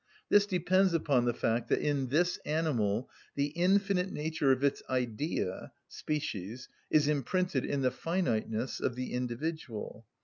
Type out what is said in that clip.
This depends upon the fact that in this animal the infinite nature of its Idea (species) is imprinted in the finiteness of the individual.